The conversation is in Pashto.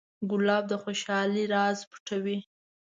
ګلاب د خوشحالۍ راز پټوي.